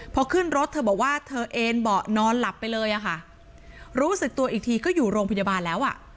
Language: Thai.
พอขึ้นรถเธอบอกว่าเธอเอ็นเบาะนอนหลับไปเลยอะค่ะรู้สึกตัวอีกทีก็อยู่โรงพยาบาลแล้วอ่ะ